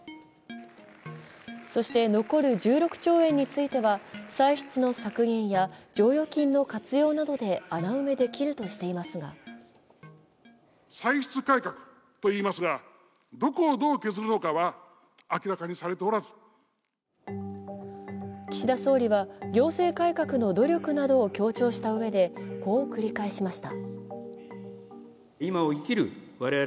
そして、残る１６兆円については歳出の削減や剰余金の活用などで穴埋めできるとしていますが岸田総理は行政改革の努力などを強調したうえでこう繰り返しました。